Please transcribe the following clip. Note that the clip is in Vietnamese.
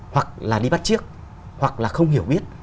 hoặc là đi bắt chiếc hoặc là không hiểu biết